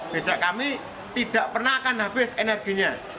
becak kami tidak pernah akan habis energinya